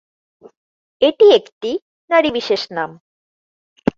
এটি একটি নারী বিশেষ নাম।